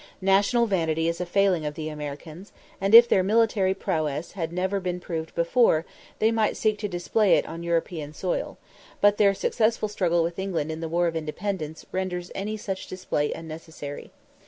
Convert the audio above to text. National vanity is a failing of the Americans, and, if their military prowess had never been proved before, they might seek to display it on European soil; but their successful struggle with England in the War of Independence renders any such display unnecessary.